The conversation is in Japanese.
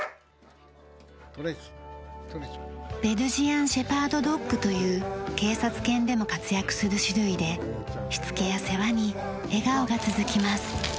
ベルジアン・シェパード・ドッグという警察犬でも活躍する種類でしつけや世話に笑顔が続きます。